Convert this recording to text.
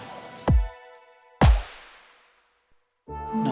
ketika kamu sudah menikah